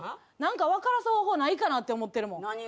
何か分からす方法ないかなって思ってるもん。